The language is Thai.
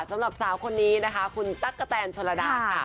สำหรับสาวคนนี้นะคะคุณตั๊กกะแตนชนระดาค่ะ